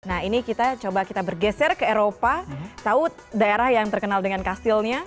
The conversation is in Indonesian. nah ini kita coba kita bergeser ke eropa tahu daerah yang terkenal dengan kastilnya